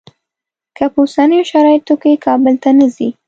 که په اوسنیو شرایطو کې کابل ته نه ځې.